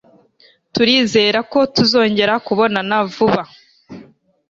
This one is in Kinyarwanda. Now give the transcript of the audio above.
Turizera ko tuzongera kukubona vuba.